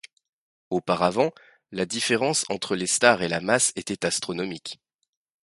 Auparavant, la différence entre les stars et la masse était astronomique.